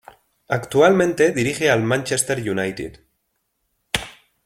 Actualmente dirige al Manchester United.